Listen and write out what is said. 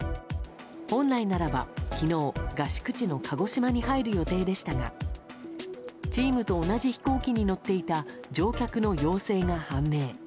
本来ならば昨日、合宿地の鹿児島に入る予定でしたがチームと同じ飛行機に乗っていた乗客の陽性が判明。